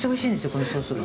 このソースが。